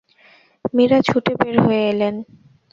মীরা ছুটে বের হয়ে এলেন।